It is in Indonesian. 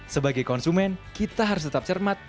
sebagai konsumen kita harus tetap cermat